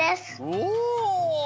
お！